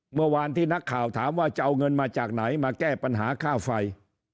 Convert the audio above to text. เมื่อวานที่นักข่าวถามว่าจะเอาเงินมาจากไหนมาแก้ปัญหาค่าไฟ